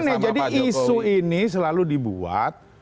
ini jadi isu ini selalu dibuat